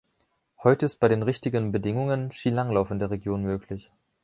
Heute ist bei den richtigen Bedingungen Skilanglauf in der Region möglich.